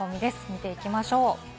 見ていきましょう。